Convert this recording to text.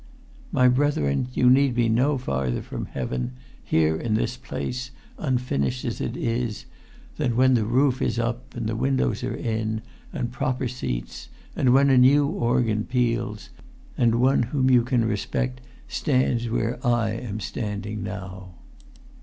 "My brethren, you need be no farther from heaven, here in this place, unfinished as it is, than when the roof is up, and the windows are in, and proper seats, and when a new organ peals ... and one whom you can respect stands where I am standing now